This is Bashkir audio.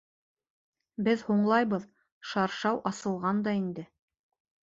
Беҙ һуңлайбыҙ, шаршау асылған да инде.